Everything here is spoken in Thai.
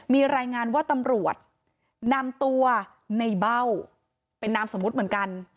มีรายงานว่าตำรวจนำตัวในเบ้าเป็นนามสมมุติเหมือนกัน